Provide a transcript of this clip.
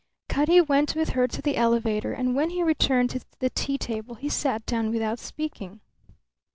Cutty went with her to the elevator and when he returned to the tea table he sat down without speaking.